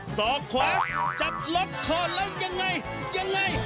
ศอกขวาจับล็อกคอแล้วยังไงยังไง